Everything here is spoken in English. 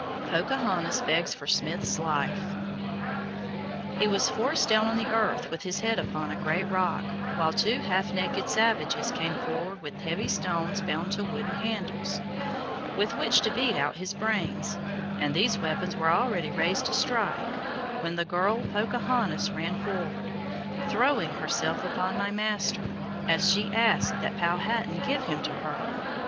POCAHONTAS BEGS FOR SMITH'S LIFE He was forced down on the earth, with his head upon a great rock, while two half naked savages came forward with heavy stones bound to wooden handles, with which to beat out his brains, and these weapons were already raised to strike, when the girl Pocahontas ran forward, throwing herself upon my master, as she asked that Powhatan give him to her.